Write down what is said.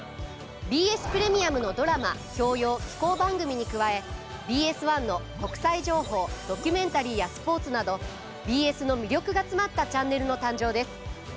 ＢＳプレミアムのドラマ教養紀行番組に加えＢＳ１の国際情報ドキュメンタリーやスポーツなどＢＳの魅力が詰まったチャンネルの誕生です。